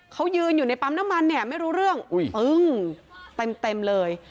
เขายืนอยู่ในปั๊มน้ำมันเนี่ยไม่รู้เรื่องอุ้ยปึ้งเต็มเลย